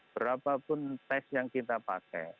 berapapun tes yang kita pakai